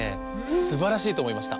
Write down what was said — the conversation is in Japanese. すばらしいとおもいました！